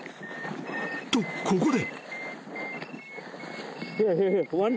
［とここで］